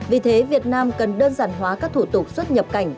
vì thế việt nam cần đơn giản hóa các thủ tục xuất nhập cảnh